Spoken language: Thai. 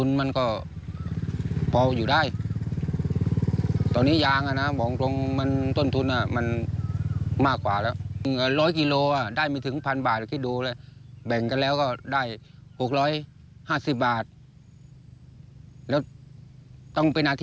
แล้วต้องเป็นอาทิตย์กว่าจะได้๖๐๐บาท